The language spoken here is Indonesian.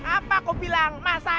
apa kau bilang masai pasti datang